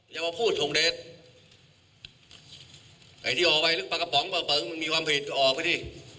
อยากมาพูดถึงเดชส์ไหนที่เอาไว้ลึกปลากระป๋องปลังมันมีความผิดก็ออกดิ